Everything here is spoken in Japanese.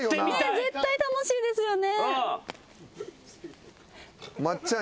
絶対楽しいですよね。